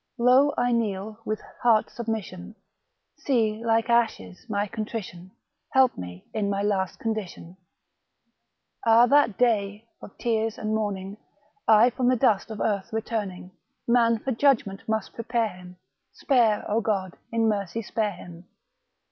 Low I kneel, with heart submission ; See, like ashes, my contrition — Help me in my last condition I Ah I that day of tears and mourning I From the dust of earth returning, Man for judgment must prepare him ! Spare, O God, in mercy spare him